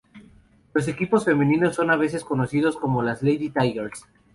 Los equipos femeninos son a veces conocidos como las "Lady Tigers".